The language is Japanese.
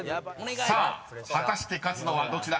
［さあ果たして勝つのはどちらか］